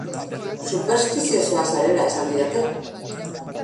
Superstiziosoa zarela esan didate.